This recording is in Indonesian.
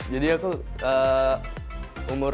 jadi aku umur sembilan tahun